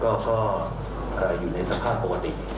ก็ก็อ่าอยู่ในสภาพปกติ